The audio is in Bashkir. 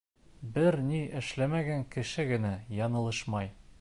Бер ни эшләмәгән кеше генә яңылышмай.